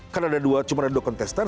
karena ada dua cuma ada dua kontestan